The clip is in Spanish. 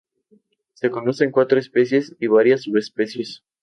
Se conocen cuatro especies y varias subespecies.